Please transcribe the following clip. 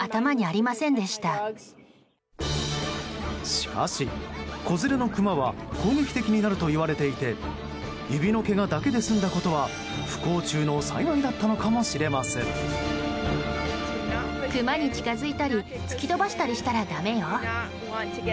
しかし子連れのクマは攻撃的になるといわれていて指のけがだけで済んだことは不幸中の幸いだったのかもしれません。